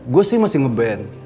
gua sih masih ngeband